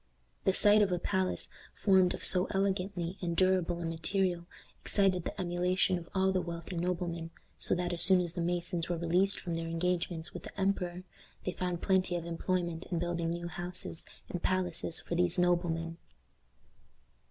The sight of a palace formed of so elegant and durable a material excited the emulation of all the wealthy noblemen, so that, as soon as the masons were released from their engagement with the emperor, they found plenty of employment in building new houses and palaces for these noblemen.